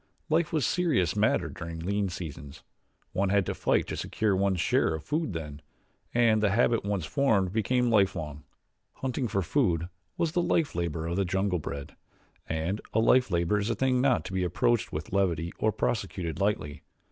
Life was a serious matter during lean seasons one had to fight to secure one's share of food then, and the habit once formed became lifelong. Hunting for food was the life labor of the jungle bred, and a life labor is a thing not to be approached with levity nor prosecuted lightly.